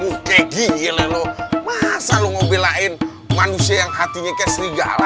buh kek gil ya lo masa lo ngobelain manusia yang hatinya kayak serigala